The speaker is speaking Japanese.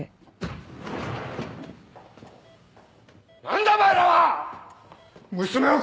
何だお前らは！